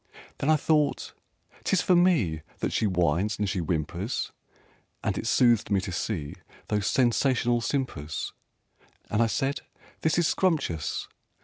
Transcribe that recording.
Then I thought "'Tis for me That she whines and she whimpers!" And it soothed me to see Those sensational simpers, And I said "This is scrumptious!"